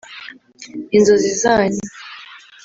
inzozi zanyu